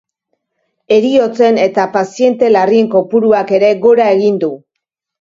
Heriotzen eta paziente larrien kopuruak ere gora egin du.